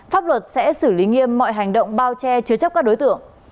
pháp luật sẽ xử lý nghiêm mọi hành động bao che chứa chấp các đối tượng